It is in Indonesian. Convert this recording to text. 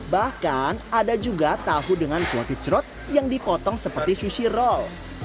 bahkan ada juga tahu dengan kuoticrot yang dipotong seperti sushi roll